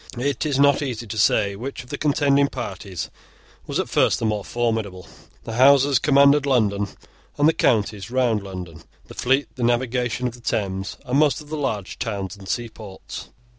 It is not easy to say which of the contending parties was at first the more formidable. The Houses commanded London and the counties round London, the fleet, the navigation of the Thames, and most of the large towns and seaports.